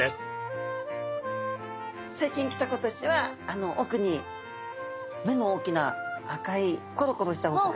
最近来た子としてはおくに目の大きな赤いころころしたお魚。